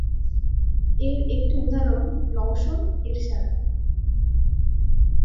এর একটি উদাহরণ রওশন এরশাদ।